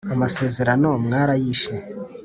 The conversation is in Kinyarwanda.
Amasezerano mwarayishe